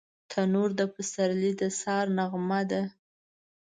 تنور د پسرلي د سهار نغمه ده